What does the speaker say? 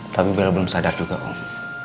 tapi beliau belum sadar juga om